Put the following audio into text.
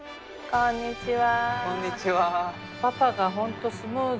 こんにちは。